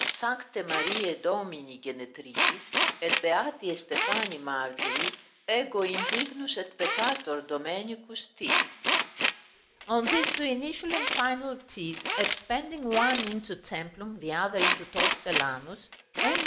Sancte Marie Domini Genetricis et beati Estefani martiri ego indignus et peccator Domenicus T." On these two initial and final T's, expanding one into Templum, the other into Torcellanus, M.